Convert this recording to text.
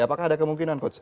apakah ada kemungkinan coach